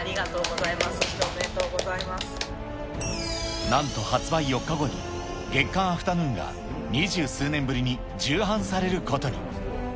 ありがとうございます、なんと発売４日後に、月刊アフタヌーンが二十数年ぶりに重版されることに。